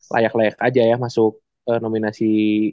layak layak aja ya masuk nominasi